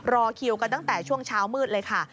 รอคิวกันตั้งแต่ช่วงเช้ามืดเลยค่ะ